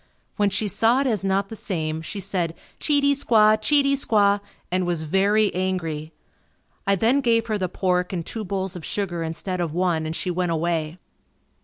When she saw it as not the same, she said, "Cheatey Squaw, Cheatey squaw," and was very angry. I then gave her the pork and two bowls of sugar instead of one and she went away.